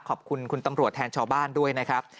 ขอบคุณคุณตำรวจแทนชาวบ้านด้วยนะครับ